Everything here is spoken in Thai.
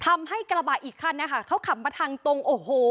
ทำให้กระบะอีกคันนะคะเขาขับมาทางตรงโอ้โห